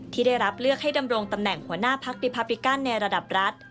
ที่ได้รับเลือกให้ดำรงตำแหน่งหัวหน้าพักดิพาปิกันในระดับรัฐ